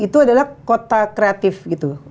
itu adalah kota kreatif gitu